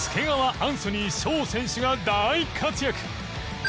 アンソニー翔選手が大活躍。